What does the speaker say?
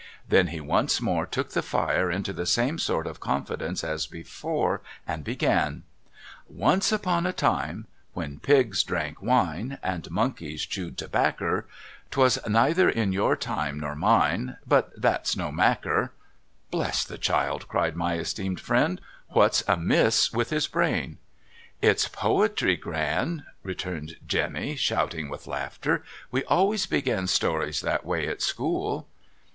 Then he once more took the fire into the same sort of con fidence as before, and began :' Once upon a time, AVhen pigs drank wine, And monkeys chewed tobaccer, 'Twas neither in your tinie nor mine. But that's no macker ——'' Bless the child !' cried my esteemed friend, ' w hat's amiss wid\ his brain ?'* It's poetry. Gran,* returned Jemmy, sliouting with laughter. ' We always begin stories that way at school.'